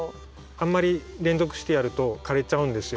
あんまり連続してやると枯れちゃうんですよ。